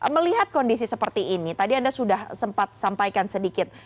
melihat kondisi seperti ini tadi anda sudah sempat sampaikan sedikit